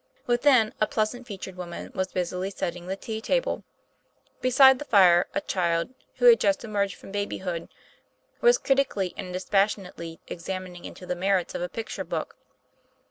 Within, a pleasant featured woman was busily setting the tea table. Beside the fire, a child, who had just emerged from babyhood, was critically and dispassionately examining into the merits of a picture book.